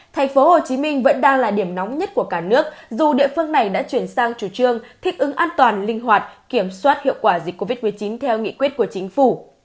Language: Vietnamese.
thành phố hồ chí minh vẫn đang là điểm nóng nhất của cả nước dù địa phương này đã chuyển sang chủ trương thích ứng an toàn linh hoạt kiểm soát hiệu quả dịch covid một mươi chín theo nghị quyết của chính phủ